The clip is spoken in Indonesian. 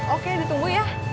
oke ditunggu ya